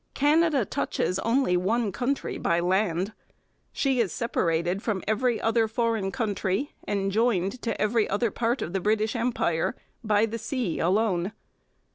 Canada touches only one country by land. She is separated from every other foreign country and joined to every other part of the British Empire by the sea alone.